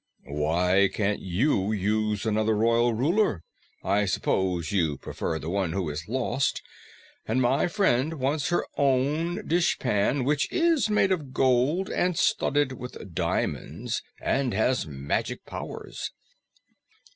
"Why can't you use another Royal Ruler? I suppose you prefer the one who is lost, and my friend wants her own dishpan, which is made of gold and studded with diamonds and has magic powers."